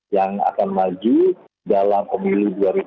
yang akan mendapatkan konfirmasi